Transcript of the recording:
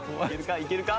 いけるか？